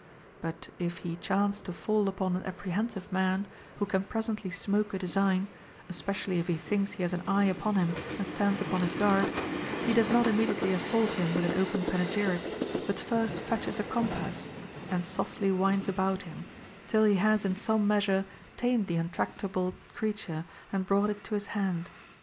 But if he chance to fall upon an apprehensive man, who can presently smoke a design, especially if he thinks he has an eve upon him and stands upon his guard, he does not immedi ately assault him with an open panegyric, but first fetches a compass, and softly winds about him, till he has in some measure tamed the untractable creature and brought it to his hand.